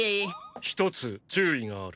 ひとつ注意がある。